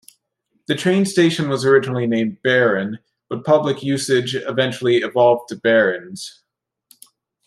The train station was originally named "Baron", but public usage eventually evolved to "Barons".